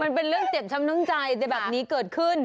มันเป็นเรื่องเตรียมชำนึงใจแต่แบบนี้เกิดขึ้น